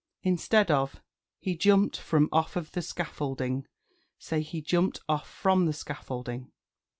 Instead of "He jumped from off of the scaffolding," say "He jumped off from the scaffolding."